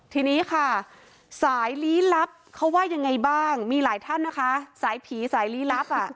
ทีนี้ค่ะสายลี้ลับเขาว่ายังไงบ้างมีหลายท่านนะคะสายผีสายลี้ลับอ่ะ